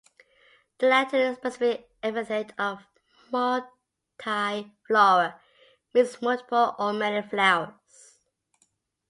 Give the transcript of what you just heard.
The Latin specific epithet of "multiflora" means multiple or many flowers.